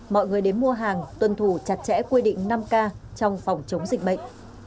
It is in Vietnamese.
mọi người đến mua hàng tuân thủ chặt chẽ quy định năm k trong phòng chống dịch bệnh